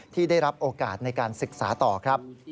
ที่ได้รับโอกาสในการศึกษาต่อครับ